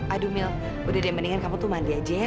aduh mil udah dia mendingan kamu tuh mandi aja ya